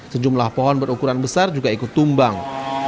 sejumlah pohon berukuran besar juga ikut tumbang